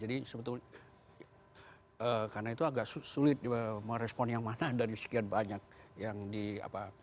jadi sebetulnya karena itu agak sulit merespon yang mana dari sekian banyak yang di apa